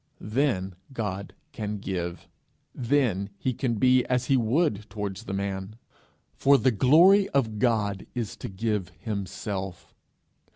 Then God can give; then he can be as he would towards the man; for the glory of God is to give himself.